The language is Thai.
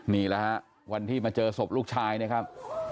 นี่แหละฮะวันที่มาเจอศพลูกชายนะครับ